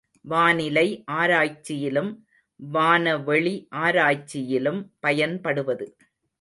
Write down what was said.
வானிலை ஆராய்ச்சியிலும் வானவெளி ஆராய்ச்சியிலும் பயன்படுவது.